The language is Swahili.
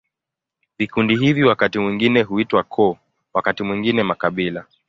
Vikundi hivi wakati mwingine huitwa koo, wakati mwingine makabila.